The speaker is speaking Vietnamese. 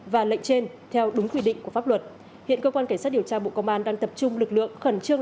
và lệnh trên theo đúng quy định của pháp luật hiện cơ quan cảnh sát điều tra bộ công an đang tập trung lực lượng khẩn trương